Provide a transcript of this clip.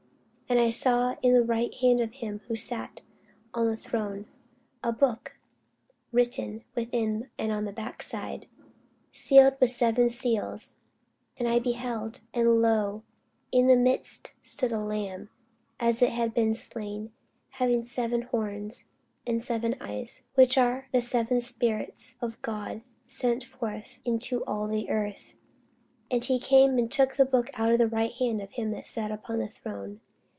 And I saw in the right hand of him that sat on the throne a book written within and on the backside, sealed with seven seals. And I beheld, and, lo, in the midst stood a Lamb as it had been slain, having seven horns and seven eyes, which are the seven Spirits of God sent forth into all the earth. And he came and took the book out of the right hand of him that sat upon the throne.